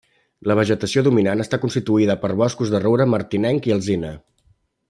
La vegetació dominant està constituïda per boscos de roure martinenc i alzina.